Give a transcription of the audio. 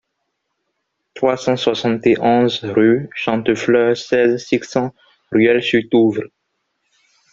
trois cent soixante et onze rue Chantefleur, seize, six cents, Ruelle-sur-Touvre